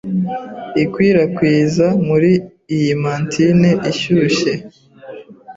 ikwirakwiza Muri iyi mantine ishyushye